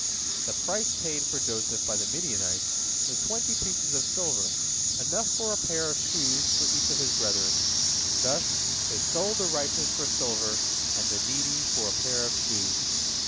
" The price paid for Joseph by the Midianites was twenty pieces of silver, enough for a pair of shoes for each of his brethren. Thus "they sold the righteous for silver, and the needy for a pair of shoes."